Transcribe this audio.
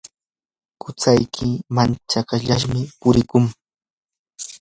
qusayki machashllam purikun.